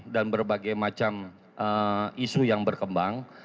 dan berbagai macam isu yang berkembang